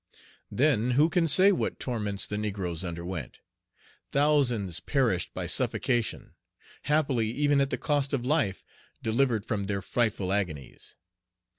Then, who can say what torments the negroes underwent? Thousands perished by suffocation, happily, even at the cost of life, delivered from their frightful agonies.